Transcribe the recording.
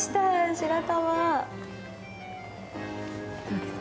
白玉。